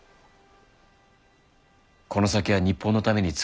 この先は日本のために尽くせ。